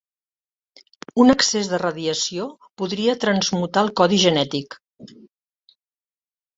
Un excés de radiació podria transmutar el codi genètic.